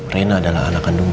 reina adalah anak kandungnya